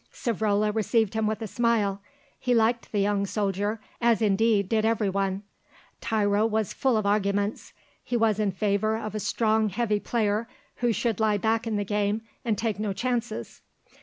Savrola received him with a smile; he liked the young soldier, as indeed did everyone. Tiro was full of arguments; he was in favour of a strong heavy player who should lie back in the game and take no chances.